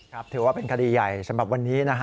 ถือว่าเป็นคดีใหญ่สำหรับวันนี้นะฮะ